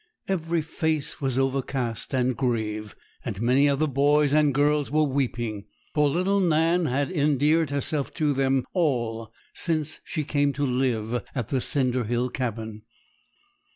Every face was overcast and grave; and many of the boys and girls were weeping, for little Nan had endeared herself to them all since she came to live at the cinder hill cabin.